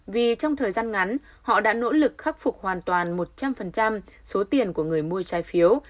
vì trong thời gian ngắn họ đã nỗ lực khắc phục hoàn toàn một trăm linh số tiền của người mua trái phiếu